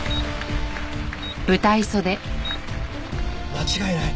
間違いない。